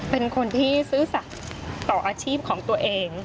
เป็นคนที่ซื่อสัตว์ต่ออาชีพของตัวเอง